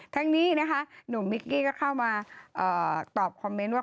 ทั้งนี้นะคะหนุ่มมิกกี้ก็เข้ามาตอบคอมเมนต์ว่า